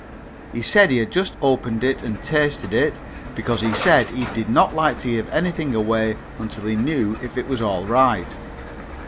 He said he had just opened it and tasted it, because he did not like to give anything away until he knew if it was all right.